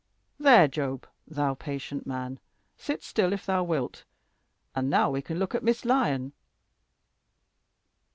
There, Job thou patient man sit still if thou wilt; and now we can look at Miss Lyon."